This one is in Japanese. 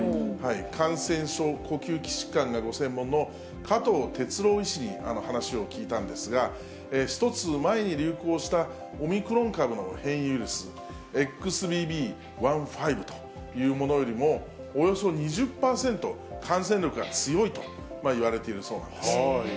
感染症、呼吸器疾患がご専門の加藤哲朗医師に話を聞いたんですが、１つ前に流行したオミクロン株の変異ウイルス、ＸＢＢ．１．５というものよりも、およそ２０％感染力が強いといわれているそうなんです。